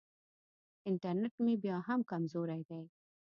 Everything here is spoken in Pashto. انټرنېټ مې بیا هم کمزوری دی.